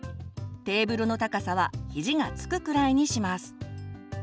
テーブルの高さは肘がつくくらいにします。